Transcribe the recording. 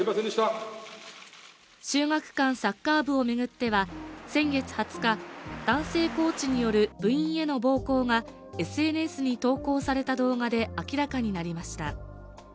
秀岳館サッカー部を巡っては先月２０日男性コーチによる部員への暴行がＳＮＳに投稿された動画で明らかになりました。